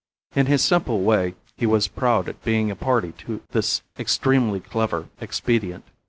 In his simple way he was proud at being a party to this extremely clever expedient.